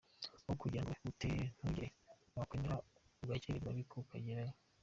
Aho kugira ngo wihute ntugereye, wakwemera ugakerererwa ariko ukagerayo.